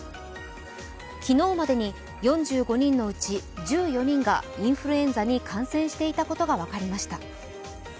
昨日までに４５人のうち１４人がインフルエンザに感染していたことが分かりました。